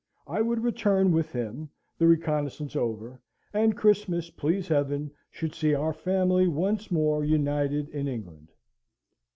I would return with him, the reconnaissance over, and Christmas, please Heaven, should see our family once more united in England.